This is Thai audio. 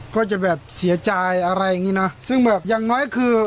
ก็จะแบบเสียใจอะไรอย่างงี้นะซึ่งแบบอย่างน้อยคือ